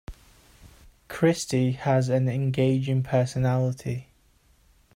Christy has an engaging personality.